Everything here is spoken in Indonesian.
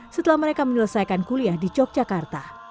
setelah mereka menyelesaikan kuliah di yogyakarta